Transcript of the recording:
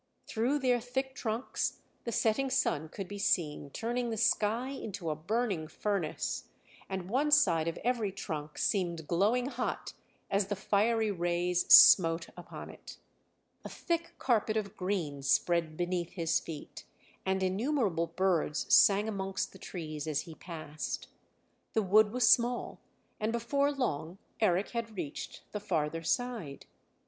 Through their thick trunks the setting sun could be seen turning the sky into a burning furnace, and one side of every trunk seemed glowing hot as the fiery rays smote upon it. A thick carpet of green spread beneath his feet, and innumerable birds sang amongst the trees as he passed. The wood was small, and before long Eric had reached the farther side.